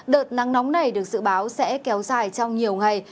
đợt nắng nóng này được dự báo sẽ kéo dài trong nhiều ngày